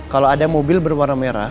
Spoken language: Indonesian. kalau ada mobil berwarna merah